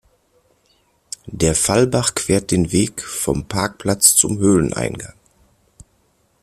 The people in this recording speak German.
Der Fallbach quert den Weg vom Parkplatz zum Höhleneingang.